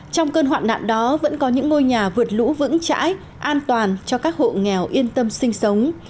trong cơn hoạn nạn đó vẫn có những ngôi nhà vượt lũ vững chãi an toàn cho các hộ nghèo yên tâm sinh sống